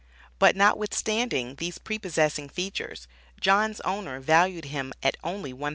But notwithstanding these prepossessing features, John's owner valued him at only $1,000.